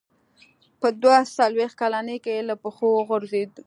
په دوه څلوېښت کلنۍ کې له پښو وغورځېد.